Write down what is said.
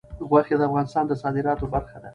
غوښې د افغانستان د صادراتو برخه ده.